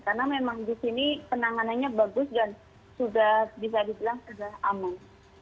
karena memang di sini penanganannya bagus dan sudah bisa dibilang sudah aman